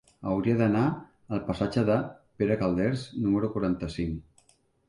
Hauria d'anar al passatge de Pere Calders número quaranta-cinc.